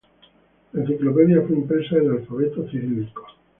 La enciclopedia fue impresa en alfabeto cirílico.